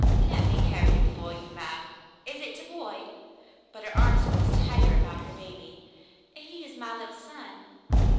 "Let me carry 'im for you, ma'm. Is it a boy.^^" But her arms closed tighter about her baby. "He is my little son."